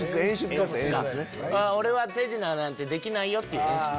俺は手品なんてできないよ！っていう演出。